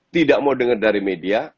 tidak mau dengar dari media